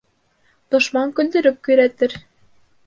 Дошман көлдөрөп көйрәтер.